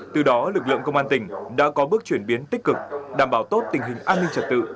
từ đó lực lượng công an tỉnh đã có bước chuyển biến tích cực đảm bảo tốt tình hình an ninh trật tự